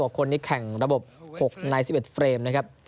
คนนี้แข่งระบบ๖ใน๑๑เฟรมนะครับ